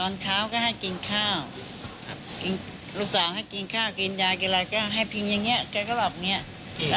แล้วก็มาโรงพยาบาล